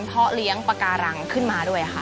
ไปดูกันค่ะว่าหน้าตาของเจ้าปาการังอ่อนนั้นจะเป็นแบบไหน